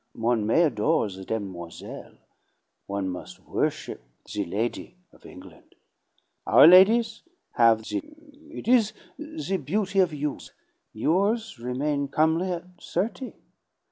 One may adore the demoiselle, one must worship the lady of England. Our ladies have the it is the beauty of youth; yours remain comely at thirty.